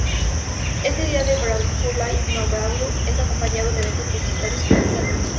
Este "Día del Beaujolais Nouveau" es acompañado de eventos publicitarios y grandes anuncios.